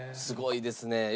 すごいですね。